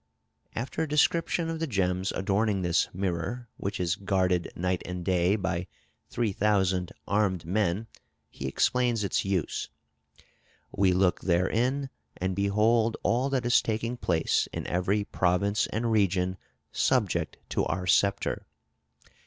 After a description of the gems adorning this mirror, which is guarded night and day by three thousand armed men, he explains its use: "We look therein and behold all that is taking place in every province and region subject to our sceptre.